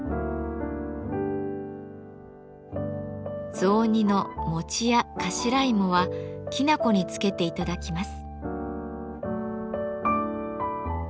雑煮の餅や頭芋はきな粉につけていただきます。